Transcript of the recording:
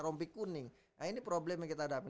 rompi kuning nah ini problem yang kita hadapi